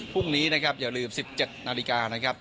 พวกนี้อย่าลืม๑๗นาฬิกานะครับ